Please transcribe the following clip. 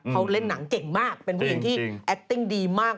เขาเล่นหนังเก่งมากเป็นผู้หญิงที่แอคติ้งดีมาก